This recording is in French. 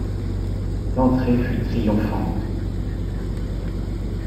L’entrée fut triomphante.